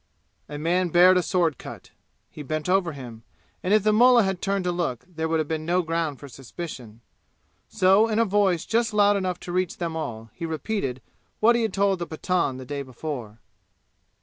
A man bared a sword cut. He bent over him, and if the mullah had turned to look there would have been no ground for suspicion. So in a voice just loud enough to reach them all, he repeated what he had told the Pathan the day before.